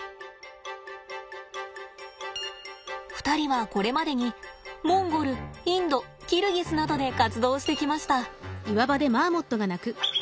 ２人はこれまでにモンゴルインドキルギスなどで活動してきました。